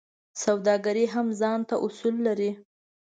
سوداګري هم ځانته اصول لري.